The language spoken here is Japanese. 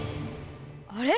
あれ？